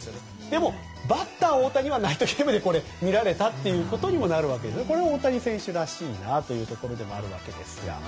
でもバッター大谷はナイトゲームで見られたということにもなるわけで、これは大谷選手らしいなというところでもあるわけですが。